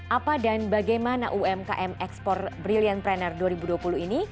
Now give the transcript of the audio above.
apa dan bagaimana umkm ekspor brilliant pranner dua ribu dua puluh ini